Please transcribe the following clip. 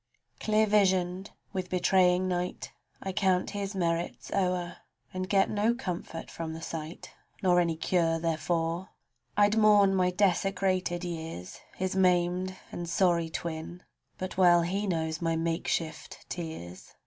Clear visioned with betraying night, I count his merits o'er, And get no comfort from the sight, Nor any cure therefor. I'd mourn my desecrated years (His maimed and sorry twin), But well he knows my makeshift tears — The man I might have been.